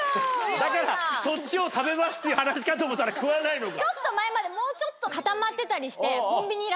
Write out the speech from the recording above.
だからそっちを食べますっていう話かと思ったら食わないのか？